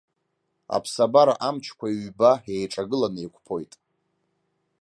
Аԥсабара амчқәа ҩба еиҿагыланы еиқәԥоит.